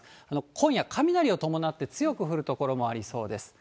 今夜、雷を伴って強く降る所もありそうです。